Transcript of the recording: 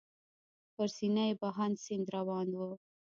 پر سینه یې بهاند سیند روان و.